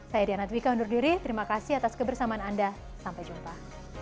saya diana twika undur diri terima kasih atas kebersamaan anda sampai jumpa